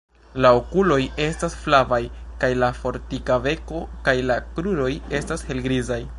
La okuloj estas flavaj kaj la fortika beko kaj la kruroj estas helgrizaj.